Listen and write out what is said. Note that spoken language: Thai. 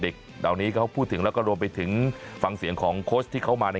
เหล่านี้เขาพูดถึงแล้วก็รวมไปถึงฟังเสียงของโค้ชที่เขามาใน